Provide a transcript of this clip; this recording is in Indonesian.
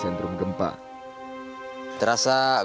kebanyakan rumah yang rusak justru jaraknya lebih jauh dari rumah ini